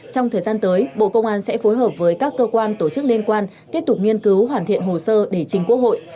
trong thời gian tới bộ công an sẽ phối hợp với các cơ quan tổ chức liên quan tiếp tục nghiên cứu hoàn thiện hồ sơ để chính quốc hội